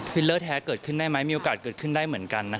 เลอร์แท้เกิดขึ้นได้ไหมมีโอกาสเกิดขึ้นได้เหมือนกัน